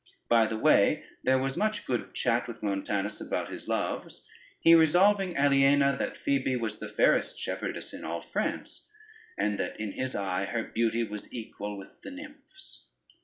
By the way there was much good chat with Montanus about his loves, he resolving Aliena that Phoebe was the fairest shepherdess in all France, and that in his eye her beauty was equal with the nymphs.